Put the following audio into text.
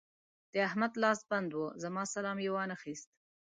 د احمد لاس بند وو؛ زما سلام يې وانخيست.